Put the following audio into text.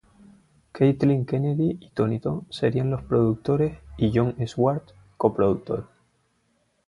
Kathleen Kennedy y Tony To serían los productores y John Swartz, coproductor.